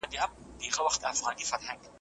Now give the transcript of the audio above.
هغه د خلکو ملاتړ ترلاسه کړ